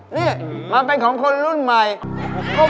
นี่มันเป็นของคนรุ่นใหม่